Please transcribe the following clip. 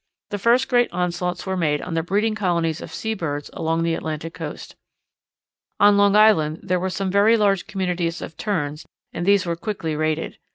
The first great onslaughts were made on the breeding colonies of sea birds along the Atlantic Coast. On Long Island there were some very large communities of Terns and these were quickly raided.